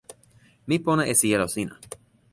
mi pona e sijelo sina.